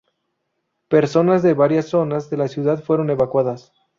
Personas de varias zonas de la ciudad fueron evacuadas.